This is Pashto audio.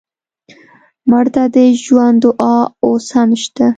مړه ته د ژوند دعا اوس هم شته